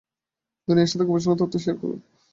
দুনিয়ার সাথে গবেষণা তথ্য শেয়ার করুন।